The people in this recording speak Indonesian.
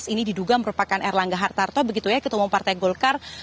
ini diduga merupakan erlangga hartarto begitu ya ketemu partai golkar